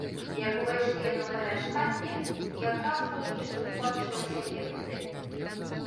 Як увайшлі яны ў памяшканне, якраз толькі што скончылася лекцыя.